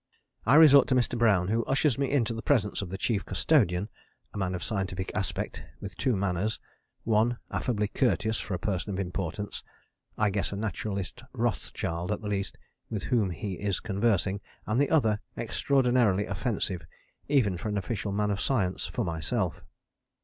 I resort to Mr. Brown, who ushers me into the presence of the Chief Custodian, a man of scientific aspect, with two manners: one, affably courteous, for a Person of Importance (I guess a Naturalist Rothschild at least) with whom he is conversing, and the other, extraordinarily offensive even for an official man of science, for myself.